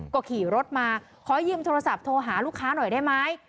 ก็ขี่รถมาขอยืมโทรศัพท์โทรหาลูกค้าหน่อยได้ไหม